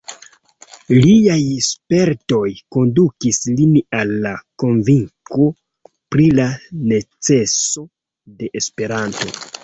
Liaj spertoj kondukis lin al la konvinko pri la neceso de Esperanto.